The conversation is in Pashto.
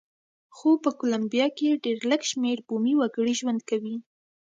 خو په کولمبیا کې ډېر لږ شمېر بومي وګړي ژوند کوي.